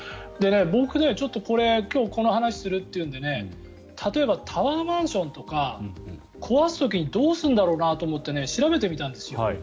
僕、今日この話をするというんで例えばタワーマンションとか壊す時にどうするんだろうなと思って調べてみたんですよ。